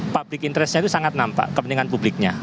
public interestnya itu sangat nampak kepentingan publiknya